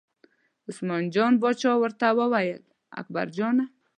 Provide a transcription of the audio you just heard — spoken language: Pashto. عثمان جان پاچا ورته وویل اکبرجانه!